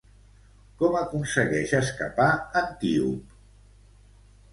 Com aconsegueix escapar Antíope?